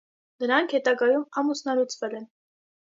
Նրանք հետագայում ամուսնալուծվել են։